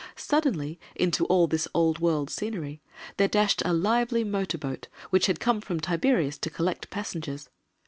Suddenly, into all this old world scenery, there dashed a lively motor boat, which had come from Tiberias to collect passengers.